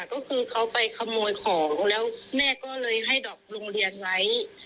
ก็คือเขาไปขโมยของแล้วแม่ก็เลยให้ดอกโรงเรียนไว้